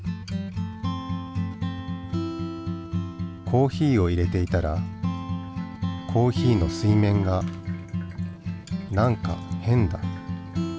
コーヒーをいれていたらコーヒーの水面がなんか変だ。